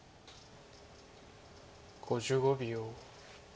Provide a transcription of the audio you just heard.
５５秒。